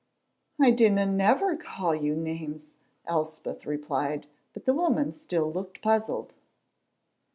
"I dinna never call you names," Elspeth replied, but the woman still looked puzzled.